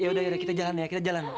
yaudah yaudah kita jalan ya kita jalan